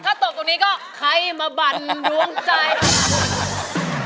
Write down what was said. ถ้าตกตรงนี้ก็ใครมาบั่นดวงใจ